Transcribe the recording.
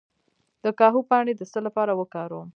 د کاهو پاڼې د څه لپاره وکاروم؟